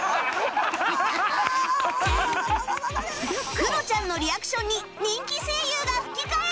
クロちゃんのリアクションに人気声優が吹き替え！